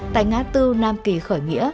tại ngã tư nam kỳ khởi nghĩa